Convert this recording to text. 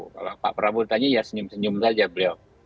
kalau pak prabowo ditanya ya senyum senyum saja beliau